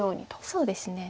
そうですね。